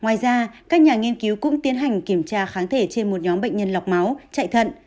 ngoài ra các nhà nghiên cứu cũng tiến hành kiểm tra kháng thể trên một nhóm bệnh nhân lọc máu chạy thận